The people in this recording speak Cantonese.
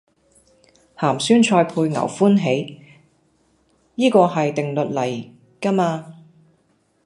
鹹酸菜配牛歡喜，依個係定律嚟㗎嘛